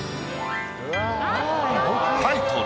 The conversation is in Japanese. タイトル。